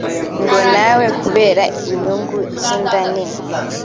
ngo nawe kubera inyungu z’inda nini